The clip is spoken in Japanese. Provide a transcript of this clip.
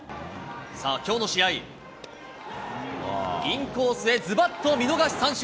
さあ、きょうの試合、インコースへ、ずばっと見逃し三振。